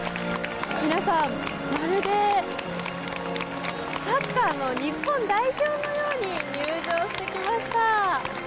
皆さん、まるでサッカーの日本代表のように入場してきました。